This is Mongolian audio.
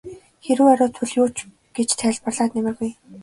Хэрэв оройтвол юу ч гэж тайлбарлаад нэмэргүй болно.